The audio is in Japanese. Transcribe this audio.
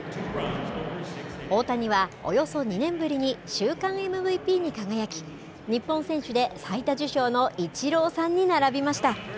大谷は、およそ２年ぶりに週間ＭＶＰに輝き、日本選手で最多受賞のイチローさんに並びました。